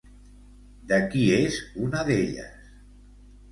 De qui és una d'elles?